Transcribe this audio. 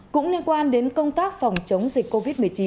cũng liên quan đến công tác phòng chống dịch covid một mươi chín